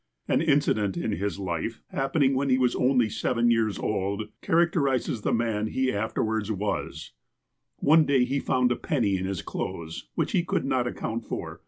An incident in his life, happening when he was only 8e\'en years old, characterizes the man he afterwards was : One day he found a penny in his clothes which he could not account for.